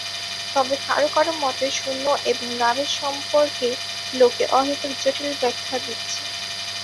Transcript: তবে কারও কারও মতে শূন্য এবং লাভের সম্পর্কে লোকে অহেতুক জটিল ব্যাখ্যা দিচ্ছে।